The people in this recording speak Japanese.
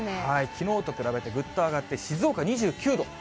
きのうと比べてぐっと上がって静岡２９度。